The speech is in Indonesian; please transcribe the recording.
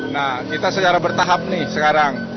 nah kita secara bertahap nih sekarang